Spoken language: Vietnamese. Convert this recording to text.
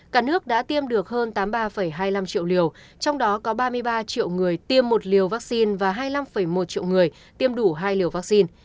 cả nước đã tiêm được hơn tám mươi ba hai mươi năm triệu liều trong đó có ba mươi ba triệu người tiêm một liều vaccine và hai mươi năm một triệu người tiêm đủ hai liều vaccine